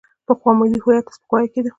پخوا ملي هویت ته سپکاوی کېده.